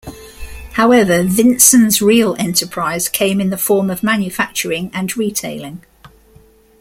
However, Vinson's real enterprise came in the form of manufacturing and retailing.